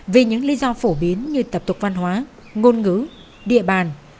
vì những lý do phổ biến như tập tục văn hóa ngôn ngữ địa bàn